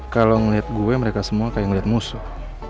kalau ngeliat gue mereka semua kayak ngeliat musuh